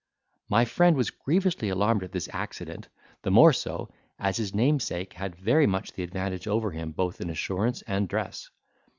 My friend was grievously alarmed at this accident, the more so, as his namesake had very much the advantage over him both in assurance and dress.